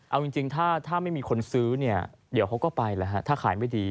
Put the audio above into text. เอาจริงถ้าไม่มีคนซื้อเนี่ยเดี๋ยวเขาก็ไปแล้วฮะถ้าขายไม่ดี